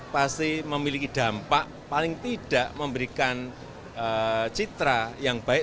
pasti memiliki dampak paling tidak memberikan citra yang baik